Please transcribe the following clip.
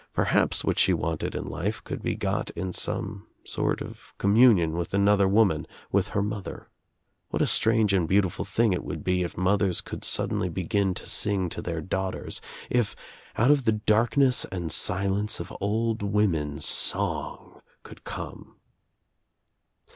Perhaps what she wanted In life could be got in some sort of I communion with another woman, with her mother. What a strange and beautiful thing it would be If mothers could suddenly begin to sing to their daughters, if out of the darkness and silence of old women song could come.